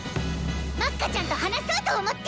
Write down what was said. まっかちゃんと話そうと思って！